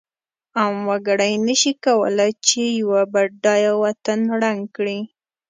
عام وګړی نشی کولای چې یو بډایه وطن ړنګ کړی.